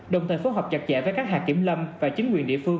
đồng thời phối hợp chặt chẽ với các hạt kiểm lâm và chính quyền địa phương